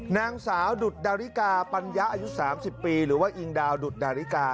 นางสาวดุดดาริกาปัญญาอายุ๓๐ปีหรือว่าอิงดาวดุดดาริกา